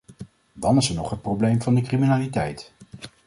Dan is er nog het probleem van de criminaliteit.